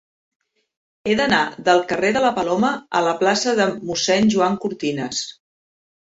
He d'anar del carrer de la Paloma a la plaça de Mossèn Joan Cortinas.